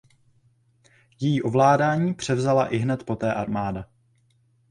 Její ovládání převzala ihned poté armáda.